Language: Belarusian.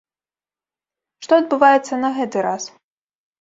Што адбываецца на гэты раз?